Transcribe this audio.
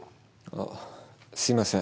あっすいません。